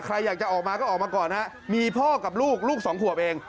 ใครอยากจะออกมาก็ออกมาก่อนฮะมีพ่อกับลูกลูกสองขวบเอง